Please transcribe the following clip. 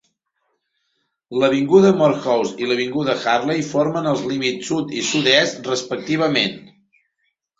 L'avinguda Moorhouse i l'avinguda Hagley formen els límits sud i sud-est, respectivament.